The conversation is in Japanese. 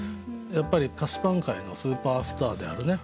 やっぱり菓子パン界のスーパースターであるね